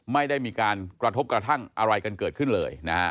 ไม่ได้มีการกระทบกระทั่งอะไรกันเกิดขึ้นเลยนะฮะ